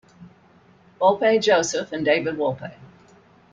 Wolpe, Joseph and David Wolpe.